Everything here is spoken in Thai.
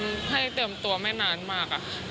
ให้เตรียมตัวไม่นานมาก